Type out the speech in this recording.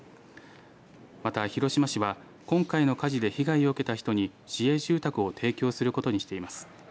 また、広島市は今回の火事で被害を受けた人に市営住宅を提供することにしています。